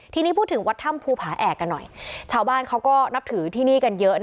ทีนี้พูดถึงวัดถ้ำภูผาแอกกันหน่อย